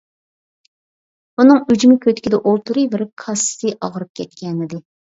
ئۇنىڭ ئۈجمە كۆتىكىدە ئولتۇرۇۋېرىپ كاسىسى ئاغرىپ كەتكەنىدى.